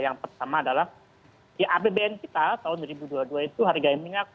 yang pertama adalah ya apbn kita tahun dua ribu dua puluh dua itu harga minyak